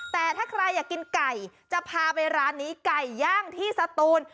แต่ถ้าใครอยากกินไก่จะพาไปร้านนี้ไก่ย่างที่สตูน